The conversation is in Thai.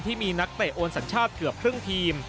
ที่มีนักเตะโอนสัญชาติเกือบครึ่งทีม